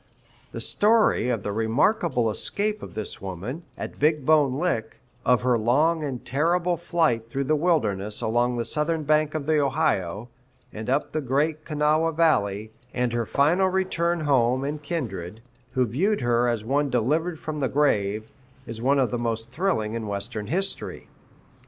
The story of the remarkable escape of this woman, at Big Bone Lick, of her long and terrible flight through the wilderness along the southern bank of the Ohio and up the Great Kanawha Valley, and her final return to home and kindred, who viewed her as one delivered from the grave, is one of the most thrilling in Western history.